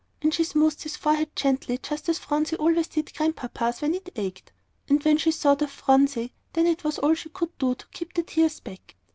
And she smoothed his hot forehead gently just as Phronsie always did Grandpapa's when it ached. And when she thought of Phronsie, then it was all she could do to keep the tears back.